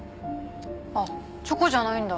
あっチョコじゃないんだ。